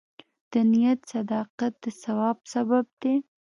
د نیت صداقت د ثواب سبب دی.